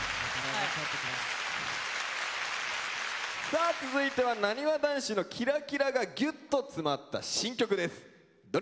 さあ続いてはなにわ男子のキラキラがぎゅっと詰まった新曲です。